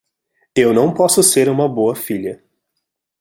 Eu não posso ser uma boa filha.